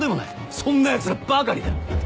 そんなやつらばかりだ。